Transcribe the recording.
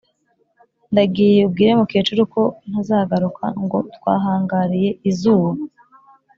Ndagiye ubwire mukecuru ko ntazagarukaNgo: "Twahangariye izuba,